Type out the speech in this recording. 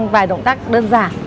vài động tác đơn giản